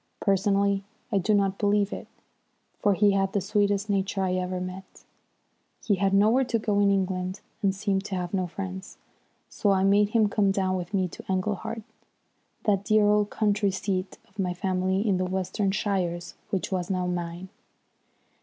Personally I do not believe it, for he had the sweetest nature I ever met. He had nowhere to go to in England and seemed to have no friends. So I made him come down with me to Englehart, that dear old country seat of my family in the Western shires which was now mine.